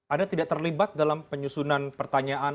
anda tidak terlibat dalam penyusunan pertanyaan